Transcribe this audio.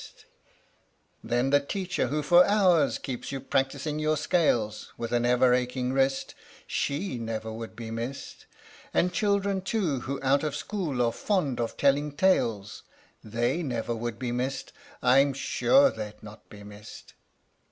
H THE STORY OF THE MIKADO Then the teacher who for hours keeps you practising your scales With an ever aching wrist she never would be missed And children, too, who out of school are fond of telling tales They never would be missed I'm sure they'd not be missed.